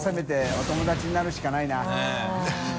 お友達になるしかないな。